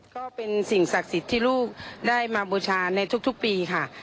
ก็เป็นสิ่งศักดิ์สิทธิ์ที่ลูกได้มาบูชาในทุกปีค่ะ